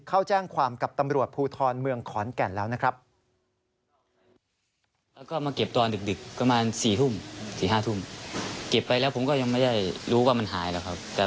เข้าแจ้งความกับตำรวจภูทรเมืองขอนแก่นแล้วนะครับ